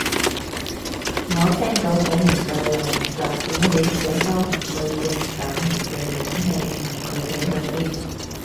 我聽到好唔對路，就鼓起社交恐懼症僅餘嘅勇氣問佢哋去邊